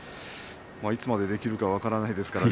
いつまでできるか分からないですから。